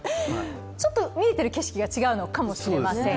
ちょっと見えてる景色が違うのかもしれません